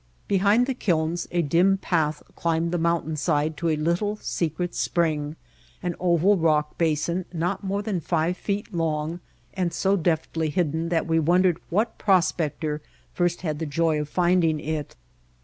Behind the kilns a dim path climbed the moun tain side to a little, secret spring, an oval rock basin not more than five feet long and so deftly hidden that we wondered what prospector first had the joy of finding it.